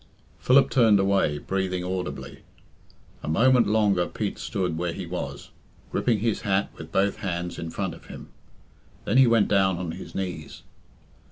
Philip turned away, breathing audibly. A moment longer Pete stood where he was, gripping his hat with both hands in front of him. Then he went down on his knees.